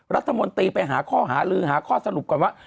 รัฐมนตรีไปหาข้อหาลือหาข้อสรุปก่อนว่า